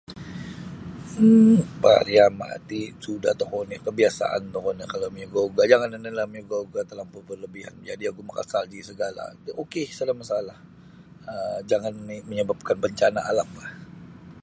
um pariama' ti sudah tokou nio kabiasaan tokou nio kalau miugah-ugah jangan onilah miugah-ugah talampau berlebihan majadi ogu makasalji sagala ok sada' masalah jangan oni' manyababkan bancana' alamlah.